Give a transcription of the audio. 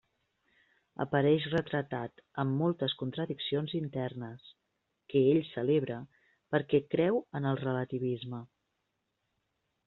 Apareix retratat amb moltes contradiccions internes, que ell celebra perquè creu en el relativisme.